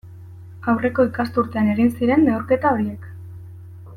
Aurreko ikasturtean egin ziren neurketa horiek.